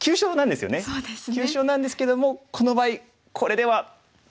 急所なんですけどもこの場合これでは。